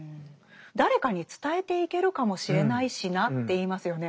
「誰かに伝えていけるかもしれないしな」って言いますよね。